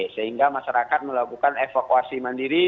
sehingga masyarakat melakukan evakuasi mandiri